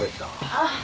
あっ。